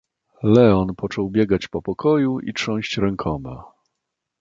"Leon począł biegać po pokoju i trząść rękoma."